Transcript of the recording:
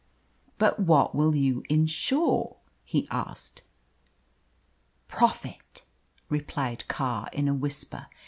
"But what will you insure?" he asked. "Profit," replied Carr, in a whisper.